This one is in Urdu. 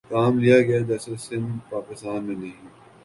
کام لیا گیا جیسے سندھ پاکستان میں نہیں